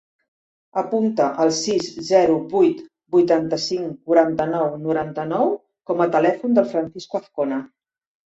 Apunta el sis, zero, vuit, vuitanta-cinc, quaranta-nou, noranta-nou com a telèfon del Francisco Azcona.